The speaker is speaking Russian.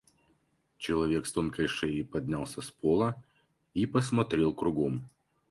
Человек с тонкой шеей поднялся с пола и посмотрел кругом.